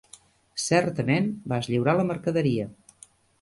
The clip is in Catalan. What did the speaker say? Certament vas lliurar la mercaderia.